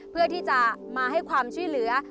เพื่อที่จะมาให้ความช่วยเหลือ